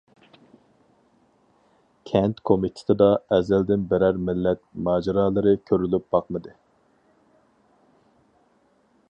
كەنت كومىتېتىدا ئەزەلدىن بىرەر مىللەت ماجىرالىرى كۆرۈلۈپ باقمىدى.